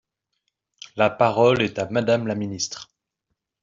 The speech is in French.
La parole est à Madame la ministre.